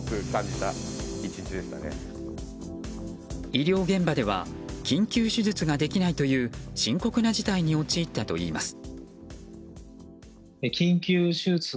医療現場では緊急手術ができないという深刻な事態に陥ったといいます。